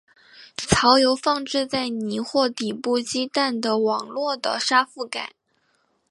巢由放置在泥或底部鸡蛋的网络的沙覆盖。